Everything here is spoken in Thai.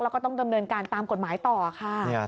แล้วก็ต้องดำเนินการตามกฎหมายต่อค่ะ